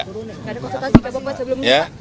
gak ada konsultasi pak bopo sebelumnya pak